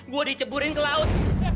gue diceburin ke laut